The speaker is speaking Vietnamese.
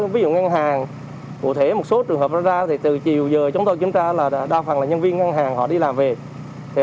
ví dụ ngân hàng cụ thể một số trường hợp ra từ chiều giờ chúng tôi kiểm tra là đa phần là nhân viên ngân hàng đi làm về